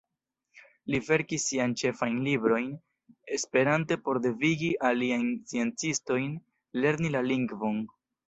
Li verkis sian ĉefajn librojn esperante por devigi aliajn sciencistojn lerni la lingvon.